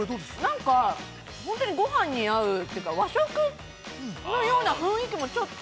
◆なんか本当にごはんに合うというか、和食のような雰囲気も、ちょっと。